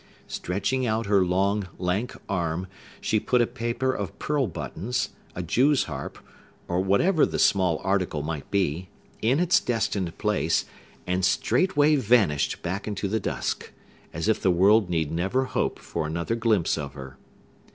Stretching out her long, lank arm, she put a paper of pearl buttons, a jew's harp, or whatever the small article might be, in its destined place, and straightway vanished back into the dusk, as if the world need never hope for another glimpse of her.